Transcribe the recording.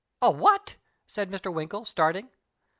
" A what !" said Mr. Winkle, starting.